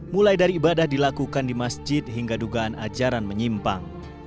mulai dari ibadah dilakukan di masjid hingga dugaan ajaran menyimpang